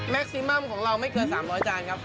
แม็กซิมัมของเราไม่เกือบ๓๐๐จานครับ